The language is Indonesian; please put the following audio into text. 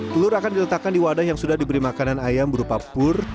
telur akan diletakkan di wadah yang sudah diberi makanan ayam berupa pur